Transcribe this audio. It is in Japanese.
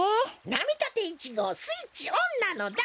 「なみたて１ごう」スイッチオンなのだ。